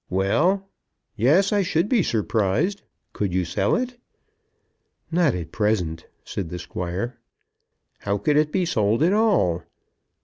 "Well, yes; I should be surprised. Could you sell it?" "Not at present," said the Squire. "How could it be sold at all?"